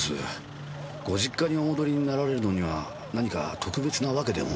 ご実家にお戻りになられるのには何か特別な訳でも？